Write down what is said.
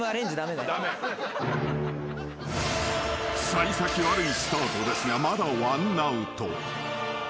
［幸先悪いスタートですがまだワンアウト］